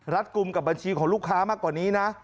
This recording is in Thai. กลุ่มกับบัญชีของลูกค้ามากกว่านี้นะ